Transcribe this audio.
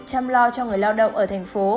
chăm lo cho người lao động ở tp